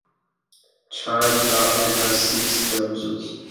Chime.in has since ceased services.